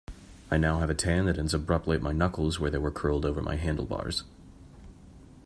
I now have a tan that ends abruptly at my knuckles where they were curled over my handlebars.